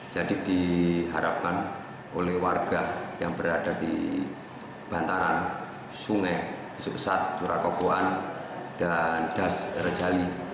jadi diharapkan oleh warga yang berada di bantaran sungai besuksat turakoboan dan das rejali